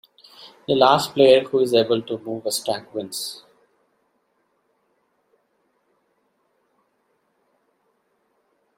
The last player who is able to move a stack wins.